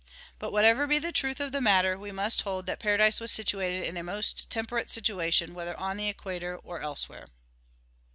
But whatever be the truth of the matter, we must hold that paradise was situated in a most temperate situation, whether on the equator or elsewhere.